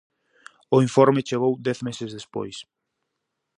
O informe chegou dez meses despois.